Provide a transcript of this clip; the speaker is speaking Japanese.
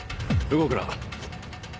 動くな。